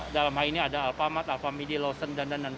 dalam hal ini ada alphamart alphamidi lawson dan lain lain